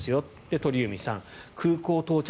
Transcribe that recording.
鳥海さん、空港到着